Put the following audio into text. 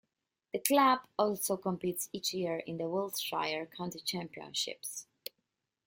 The club also competes each year in the Wiltshire County Championships.